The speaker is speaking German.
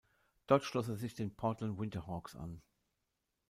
Dort schloss er sich den Portland Winter Hawks an.